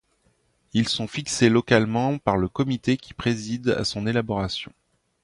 Ils sont fixés localement par le comité qui préside à son élaboration.